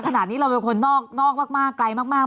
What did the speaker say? ขนาดนี้เราเป็นคนนอกมากไกลมาก